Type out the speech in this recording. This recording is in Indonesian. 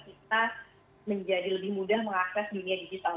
kita menjadi lebih mudah mengakses dunia digital